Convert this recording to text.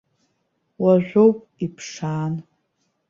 Уажәоуп, иԥшаан.